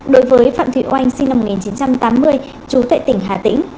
đối với phạm thị oanh sinh năm một nghìn chín trăm tám mươi chú tệ tỉnh hà tĩnh